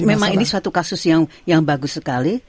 memang ini suatu kasus yang bagus sekali